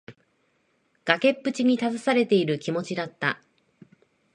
崖っぷちに立たされている気持ちだった。